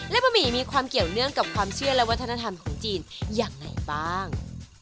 และบะหมี่มีความเกี่ยวเนื่องกับความเชื่อและวัฒนธรรมของจีนอย่างไรบ้าง